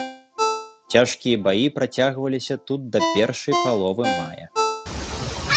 Цяжкія баі працягваліся тут да першай паловы мая.